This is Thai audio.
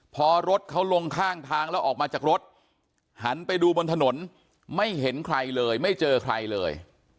พอรถเขาลงข้างทางแล้วออกมาจากรถหันไปดูบนถนนไม่เห็นใครเลยไม่เจอใครเลย